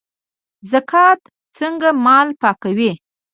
زکات څنګه مال پاکوي؟